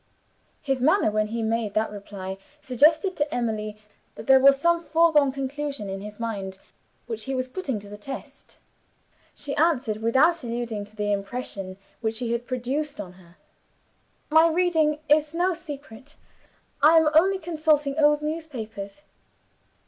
His manner, when he made that reply, suggested to Emily that there was some foregone conclusion in his mind, which he was putting to the test. She answered without alluding to the impression which he had produced on her. "My reading is no secret. I am only consulting old newspapers."